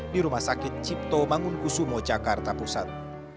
di rumah sakit cipto mangunkusumo jakarta pusat